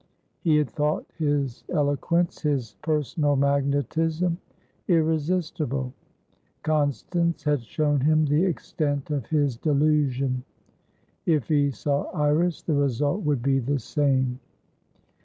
He had thought his eloquence, his personal magnetism, irresistible; Constance had shown him the extent of his delusion. If he saw Iris, the result would be the same.